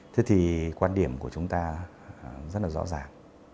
thế thì quan điểm của chúng ta rất là rõ ràng